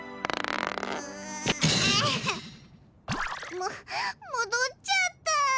ももどっちゃった。